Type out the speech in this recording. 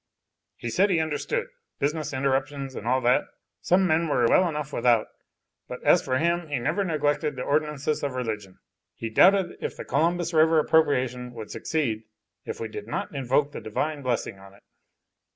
He said he understood, business interruptions and all that, some men were well enough without, but as for him he never neglected the ordinances of religion. He doubted if the Columbus River appropriation would succeed if we did not invoke the Divine Blessing on it."